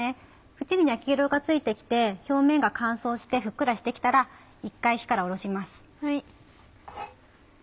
縁に焼き色がついてきて表面が乾燥してふっくらしてきたら１回火から下ろします。